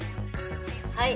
はい！